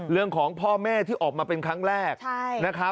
เรื่องของพ่อแม่ที่ออกมาเป็นครั้งแรกนะครับ